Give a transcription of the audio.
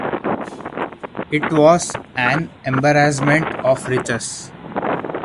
It was an embarrassment of riches.